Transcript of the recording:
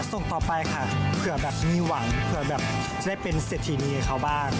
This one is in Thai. ส่งต่อไปค่ะเผื่อแบบมีหวังเผื่อแบบจะได้เป็นเศรษฐีนีให้เขาบ้าง